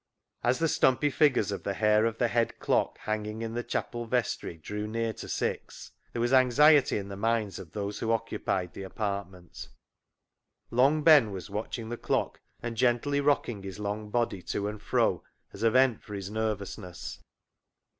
As the stumpy fingers of the hair of the head clock hanging in the chapel vestry drew near to six, there was anxiety in the minds of those who occupied the apartment. Long Ben was watching the clock and gently rocking his long body to and fro as a vent for his nervousness.